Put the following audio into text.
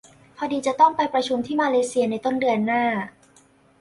พอดีจะต้องไปประชุมที่มาเลเซียในต้นเดือนหน้า